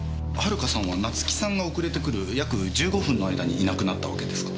遥さんは夏樹さんが遅れてくる約１５分の間にいなくなったわけですか？